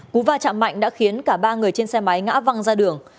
cú va chạm mạnh đã khiến cả ba người trên xe máy ngã văng ra đường